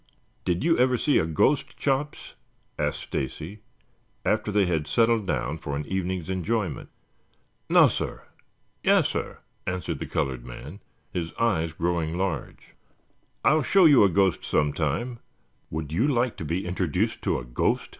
"Did you ever see a ghost, Chops?" asked Stacy after they had settled down for an evening's enjoyment. "Nassir. Yassir," answered the colored man, his eyes growing large. "I'll show you a ghost some time. Would you like to be introduced to a ghost?"